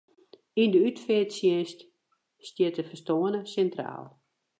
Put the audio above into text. Yn de útfearttsjinst stiet de ferstoarne sintraal.